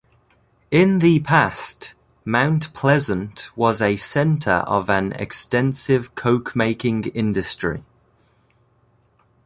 In the past, Mount Pleasant was a center of an extensive coke-making industry.